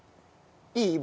いい？